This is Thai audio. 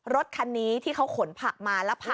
รถคันนี้ที่เขาขนผักมา